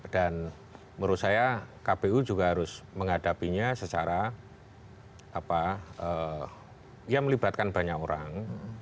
dan menurut saya kpu juga harus menghadapinya secara apa ya melibatkan banyak orang